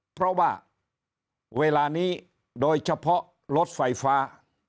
เพราะว่าเวลานี้โดยเฉพาะรถไฟฟ้า